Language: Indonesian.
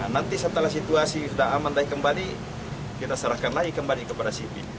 nanti setelah situasi sudah aman kita serahkan lagi kembali kepada siti